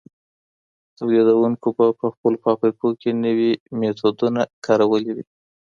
تولیدونکو به په خپلو فابریکو کي نوي میتودونه کارولي وي.